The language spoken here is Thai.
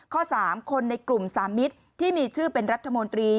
๓คนในกลุ่มสามมิตรที่มีชื่อเป็นรัฐมนตรี